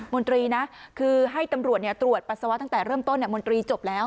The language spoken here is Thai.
มนตรีนะคือให้ตำรวจตรวจปัสสาวะตั้งแต่เริ่มต้นมนตรีจบแล้ว